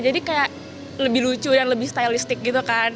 jadi kayak lebih lucu dan lebih stylistic gitu kan